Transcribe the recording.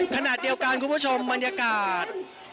ขณะเดียวกันคุณผู้ชมบรรยากาศ